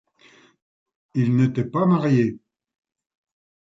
Il n'était pas marié.